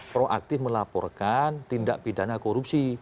proaktif melaporkan tindak pidana korupsi